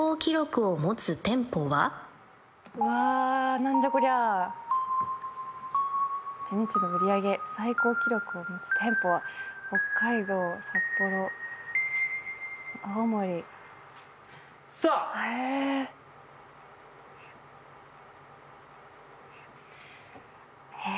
何じゃこりゃ１日の売上最高記録を持つ店舗は北海道札幌青森さあええ